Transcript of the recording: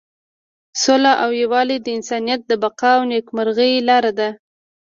سوله او یووالی د انسانیت د بقا او نیکمرغۍ لاره ده.